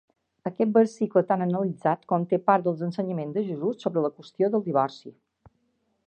Aquest versicle tan analitzat conté part dels ensenyaments de Jesús sobre la qüestió del divorci.